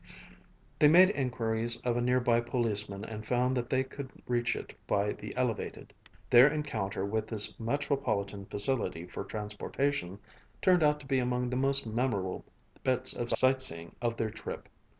They made inquiries of a near by policeman and found that they could reach it by the elevated. Their encounter with this metropolitan facility for transportation turned out to be among the most memorable bits of sightseeing of their trip.